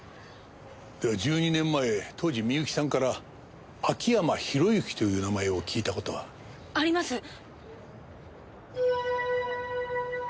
では１２年前当時美由紀さんから秋山博之という名前を聞いた事は？あります！